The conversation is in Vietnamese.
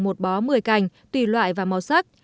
một bó một mươi cành tùy loại và màu sắc